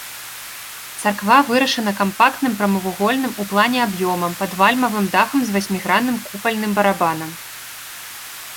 Царква вырашана кампактным прамавугольным у плане аб'ёмам пад вальмавым дахам з васьмігранным купальным барабанам.